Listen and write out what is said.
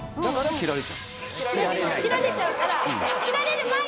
斬られちゃうから。